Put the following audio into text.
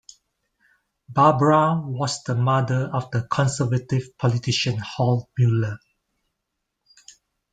Barbara was the mother of the Conservative politician Hal Miller.